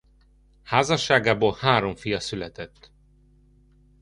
Házasságából három fia született.